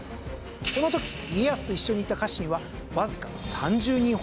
この時家康と一緒にいた家臣はわずか３０人ほど。